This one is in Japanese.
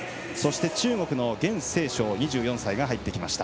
中国の阮靖淞２４歳が入ってきました。